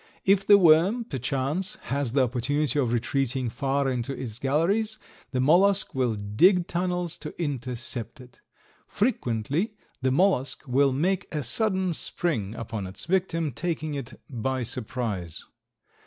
If the worm, perchance, has the opportunity of retreating far into its galleries, the mollusk will dig tunnels to intercept it. Frequently the mollusk will make a sudden spring upon its victim, taking it by surprise.